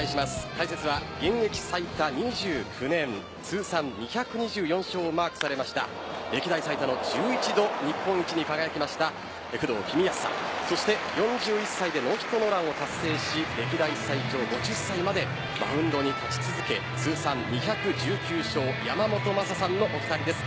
解説は現役最多２９年通算２２４勝をマークされました歴代最多の１１度日本一に輝きました工藤公康さんそして４１歳でノーヒットノーランを達成し歴代最長５０歳までマウンドに立ち続け通算２１９勝山本昌さんのお二人です。